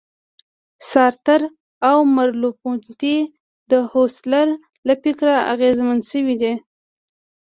سارتر او مرلوپونتې د هوسرل له فکره اغېزمن شوي دي.